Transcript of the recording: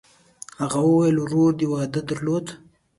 هغه وویل: «ورور دې واده درلود؟»